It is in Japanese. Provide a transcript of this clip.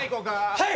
はい！